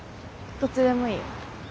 どっちでもいいよ。